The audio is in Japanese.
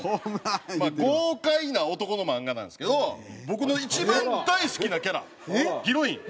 豪快な男の漫画なんですけど僕の一番大好きなキャラヒロイン。